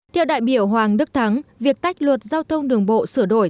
theo đại biểu hoàng đức thắng việc tách luật giao thông đường bộ sửa đổi